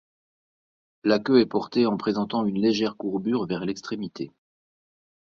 La queue est portée en présentant une légère courbure vers l'extrémité.